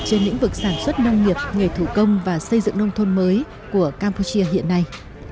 trên lĩnh vực sản xuất nông nghiệp nghề thủ công và xây dựng nông thôn mới của campuchia hiện nay